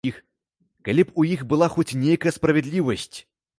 Калі б у іх была хоць нейкая справядлівасць.